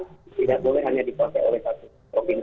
tidak boleh hanya dikuasai oleh satu provinsi